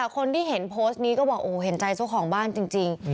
คนที่เห็นโพสต์นี้ก็บอกโอ้เห็นใจเจ้าของบ้านจริง